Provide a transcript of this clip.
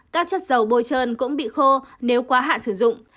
các chất dầu bôi trơn cũng bị khô nếu quá hạn sử dụng